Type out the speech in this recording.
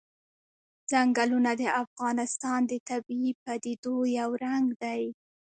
ځنګلونه د افغانستان د طبیعي پدیدو یو رنګ دی.